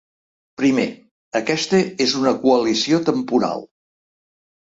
Primer, aquesta és una coalició temporal.